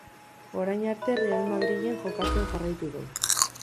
Orain arte Real Madrilen jokatzen jarraitu du.